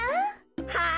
はい。